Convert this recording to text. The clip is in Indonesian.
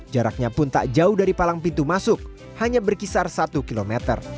jaraknya pun tak jauh dari palang pintu masuk hanya berkisar satu km